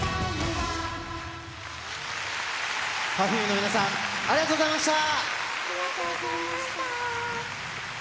Ｐｅｒｆｕｍｅの皆さん、ありがとうございました。